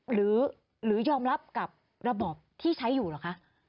หรือยอมรับกับระบอบที่ใช้อยู่เหรอคะ